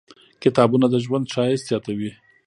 کتابونه د ژوند ښایست زیاتوي.